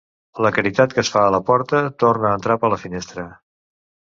La caritat que es fa a la porta, torna a entrar per la finestra.